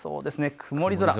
曇り空。